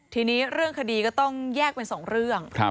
ทีนี้เรื่องคดีก็ต้องแยกเป็นสองเรื่อง